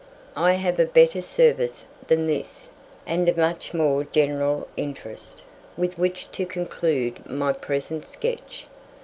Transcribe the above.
I have a better service than this, and of much more general interest, with which to conclude my present sketch.